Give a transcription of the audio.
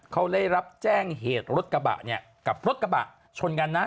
เขาได้รับแจ้งเหตุรถกระบะเนี่ยกับรถกระบะชนกันนะ